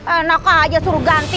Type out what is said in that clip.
enak aja suruh ganti